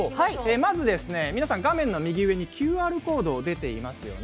まず画面の右上にＱＲコードが出ていますね。